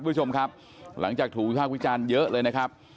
คุณผู้ชมครับหลังจากถูกวิภาควิจารณ์เยอะเลยนะครับ